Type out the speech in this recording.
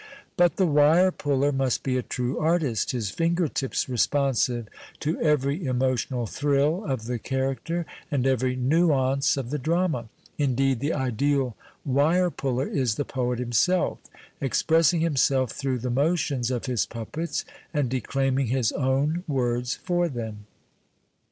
Piit the wire puller nuist be a true artist, his finger tips responsive to every emotional tlirill of the character and every nuance of the drama ; iiuketl, the ideal wire puller is the poet himself, exi^ressing himself through the motions of his puppets and declaiming his own words for them.